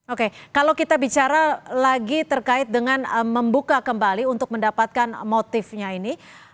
oke kalau kita bicara lagi terkait dengan membuka kembali untuk mendapatkan motifnya ini